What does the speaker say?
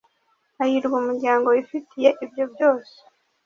hahirwa umuryango wifitiye ibyo byose